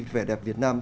vẻ đẹp việt nam